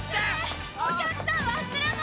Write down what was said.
お客さん忘れ物！